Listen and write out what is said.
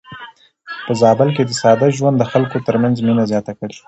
په زابل کې ساده ژوند د خلکو ترمنځ مينه زياته کړې.